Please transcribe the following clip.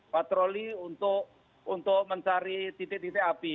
patroli untuk mencari titik titik api